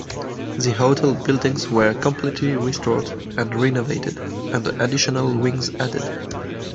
The hotel buildings were completely restored and renovated, and additional wings added.